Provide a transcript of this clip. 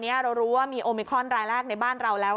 เรารู้ว่ามีโอมิครอนรายแรกในบ้านเราแล้ว